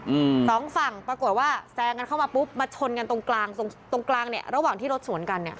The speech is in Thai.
อืมสองฝั่งปรากฏว่าแซงกันเข้ามาปุ๊บมาชนกันตรงกลางตรงตรงกลางเนี้ยระหว่างที่รถสวนกันเนี้ย